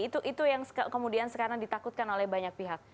itu yang kemudian sekarang ditakutkan oleh banyak pihak